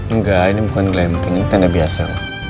enggak ini bukan glamping ini tenda biasa